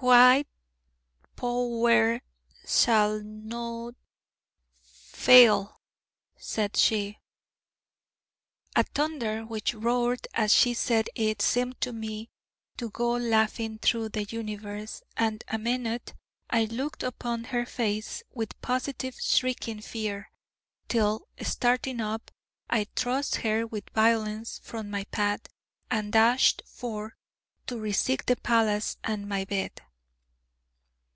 'Hwhite Pow wer sall not fffail,' said she. A thunder which roared as she said it seemed to me to go laughing through the universe, and a minute I looked upon her face with positive shrinking fear; till, starting up, I thrust her with violence from my path, and dashed forth to re seek the palace and my bed.